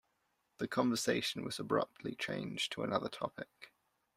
The conversion was abruptly changed to another topic.